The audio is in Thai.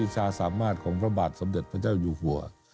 ภาพภาคประชาสำหรับพระบาทสมเด็จพระเจ้าอยู่หัว